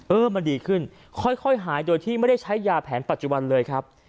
เออมันดีขึ้นค่อยหายโดยที่ไม่ได้ใช้ยาแผนปัจจุบันเลยครับ